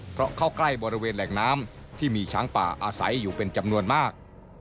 เพราะเข้าใกล้บริเวณแหล่งน้ำที่มีช้างป่าอาศัยอยู่เป็นจำนวนมาก